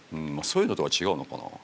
そういうのとは違うのかな。